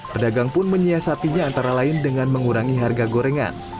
pedagang pun menyiasatinya antara lain dengan mengurangi harga gorengan